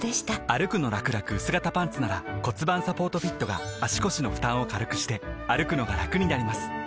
「歩くのらくらくうす型パンツ」なら盤サポートフィットが足腰の負担を軽くしてくのがラクになります覆个△